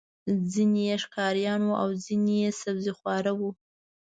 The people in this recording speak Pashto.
ځینې یې ښکاریان وو او ځینې یې سبزيخواره وو.